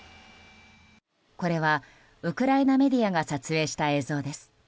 これはウクライナメディアが撮影した映像です。